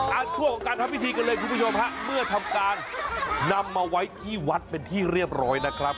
ช่วงของการทำพิธีกันเลยคุณผู้ชมฮะเมื่อทำการนำมาไว้ที่วัดเป็นที่เรียบร้อยนะครับ